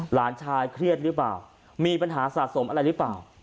หลานชายเครียดหรือเปล่ามีปัญหาสะสมอะไรหรือเปล่า